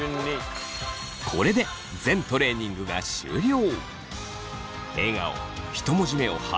これで全トレーニングが終了。